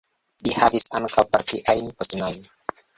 Li havis ankaŭ partiajn postenojn.